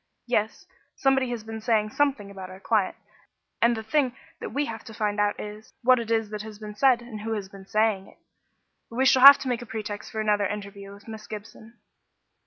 Yes; somebody has been saying something about our client, and the thing that we have to find out is, what is it that has been said and who has been saying it. We shall have to make a pretext for another interview with Miss Gibson."